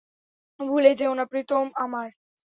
ভুলে যেয়ো না, প্রিতম আমার!